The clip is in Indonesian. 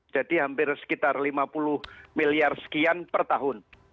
jadi hampir sekitar lima puluh miliar sekian per tahun